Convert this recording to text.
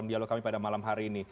dialog kami pada malam hari ini